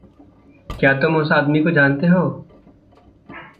क्या तुम उस आदमी को जानते हो?